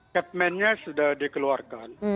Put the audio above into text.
catmennya sudah dikeluarkan